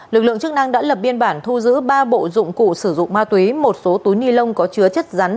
lực lượng chức năng đã lập biên bản thu giữ ba bộ dụng cụ sử dụng ma túy một số túi ni lông có chứa chất rắn